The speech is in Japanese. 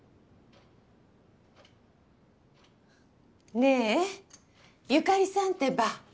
ねえ由香里さんってば。